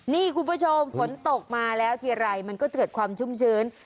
นี่คุณผู้ชมฝนตกมาแล้วทีไรมันก็เกิดความชุ่มชื้น